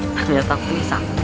ternyata aku ini sakti